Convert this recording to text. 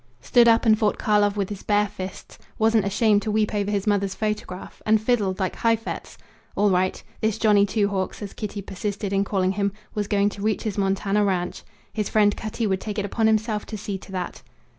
Stood up and fought Karlov with his bare fists; wasn't ashamed to weep over his mother's photograph; and fiddled like Heifetz. All right. This Johnny Two Hawks, as Kitty persisted in calling him, was going to reach his Montana ranch. His friend Cutty would take it upon himself to see to that.